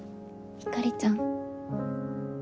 ひかりちゃん。